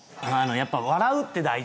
やっぱ笑うって大事で。